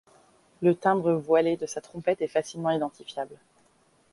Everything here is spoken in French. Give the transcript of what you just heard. Le timbre voilé de sa trompette est facilement identifiable.